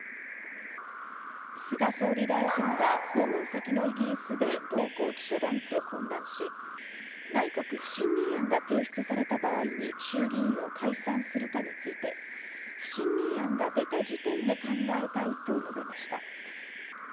菅総理大臣が訪問先のイギリスで同行記者団と懇談し、内閣不信任案が提出された場合に、衆議院を解散するかについて不信任案が出た時点で考えたいと述べました。